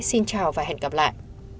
xin chào và hẹn gặp lại